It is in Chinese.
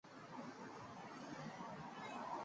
安拉斯是奥地利蒂罗尔州利恩茨县的一个市镇。